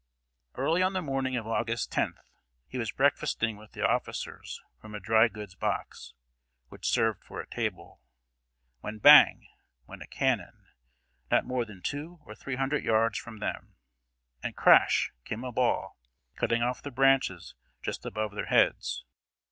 Early on the morning of August 10th, he was breakfasting with the officers from a dry goods box, which served for a table, when bang! went a cannon, not more than two or three hundred yards from them, and crash! came a ball, cutting off the branches just above their heads.